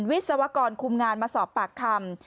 วิศวกรคุมงานมาสอบปากคำ